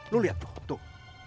lo lihat tuh tuh